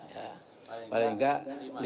ya paling enggak lima ribu lima ratus empat puluh lima